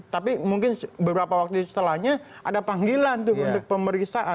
tapi mungkin beberapa waktu setelahnya ada panggilan tuh untuk pemeriksaan